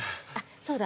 そうだ！